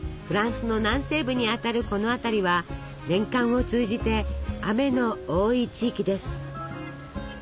フランスの南西部にあたるこの辺りは年間を通じて雨の多い地域です。